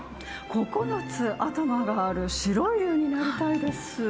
９つ頭がある白い竜になりたいです。